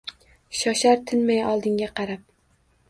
Shoshar tinmay oldinga qarab.